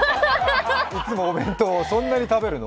いつもお弁当をそんなに食べるの？